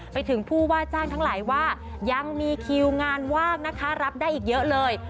ไปถึงผู้ว่าจ้างทั้งหลายว่ายังมีคิวงานว่างนะคะรับได้อีกเยอะเลย